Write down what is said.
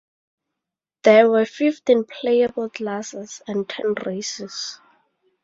There were fifteen playable classes, and ten races.